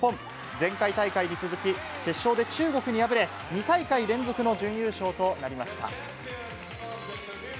前回大会に続き、決勝で中国に敗れ、２大会連続の準優勝となりました。